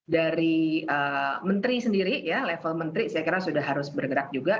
dari menteri sendiri ya level menteri saya kira sudah harus bergerak juga